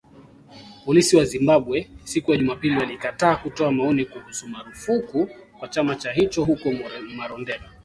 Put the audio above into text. Polisi wa Zimbabwe, siku ya Jumapili walikataa kutoa maoni kuhusu marufuku kwa chama cha hicho huko Marondera